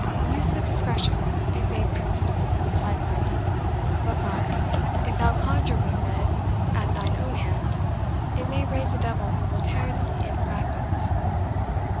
"Used with discretion, it may prove so," replied Varney; "but mark if thou conjure with it at thine own hand, it may raise a devil who will tear thee in fragments."